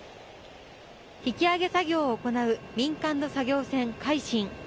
引き揚げ作業を行う民間の作業船、「海進」